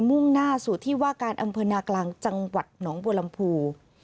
มุ่งหน้าสู่ที่ว่าการอำเภอนากลางจังหวัดหนองบัวลำพู